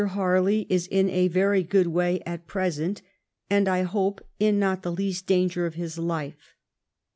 Harley is in a very good way at present, and, I hope, in not the least danger of his life."